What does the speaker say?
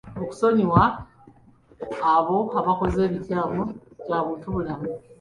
Okusonyiwa abo abakkoze ebikyamu kya buntubulamu.